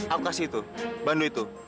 aku kasih itu bandu itu